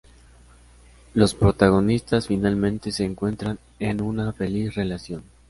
Los protagonistas finalmente se encuentran en una feliz relación.